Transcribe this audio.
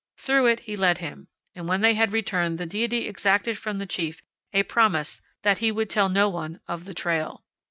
Through it he led him; and when they had returned the deity exacted from the chief a promise that he would tell no one of the trail.